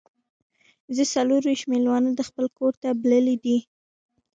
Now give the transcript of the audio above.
زه څلور ویشت میلمانه د خپل کور ته بللي دي.